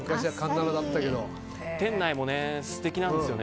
店内も素敵なんですよね。